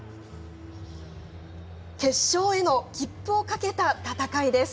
決勝への切符をかけた戦いです。